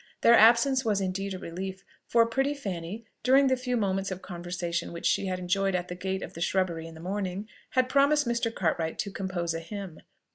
Their absence was indeed a relief: for pretty Fanny, during the few moments of conversation which she had enjoyed at the gate of the shrubbery in the morning, had promised Mr. Cartwright to compose a hymn.